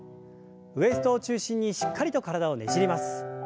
ウエストを中心にしっかりと体をねじります。